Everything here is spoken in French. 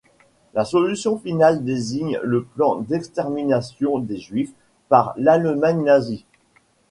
La solution finale désigne le plan d'extermination des juifs par l'Allemagne nazie.